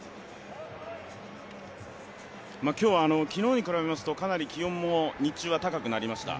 今日は昨日に比べますとかなり気温も日中は高くなりました。